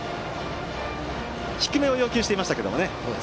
低めを要求してましたけれどもね。